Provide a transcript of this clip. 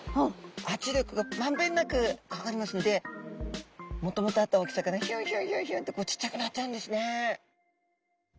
圧力がまんべんなくかかりますのでもともとあった大きさからヒュンヒュンヒュンってこうちっちゃくなっちゃうんですね。